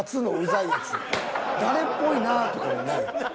誰っぽいなとかいうのない。